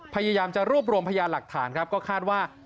พยายามจะรวบรวมพยานหลักฐานครับก็คาดว่า